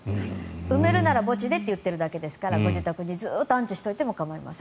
埋めるなら墓地でと言っているだけですからご自宅にずっと安置していても構いません。